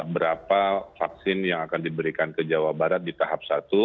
berapa vaksin yang akan diberikan ke jawa barat di tahap satu